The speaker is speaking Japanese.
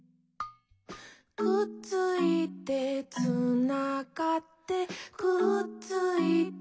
「くっついて」「つながって」「くっついて」